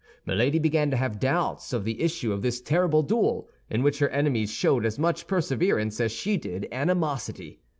Milady began to have doubts of the issue of this terrible duel, in which her enemies showed as much perseverance as she did animosity.